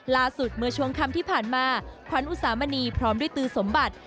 เมื่อช่วงคำที่ผ่านมาขวัญอุสามณีพร้อมด้วยตือสมบัติ